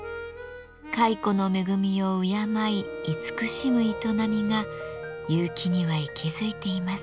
蚕の恵みを敬い慈しむ営みが結城には息づいています。